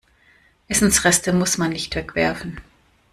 Essensreste muss man nicht wegwerfen.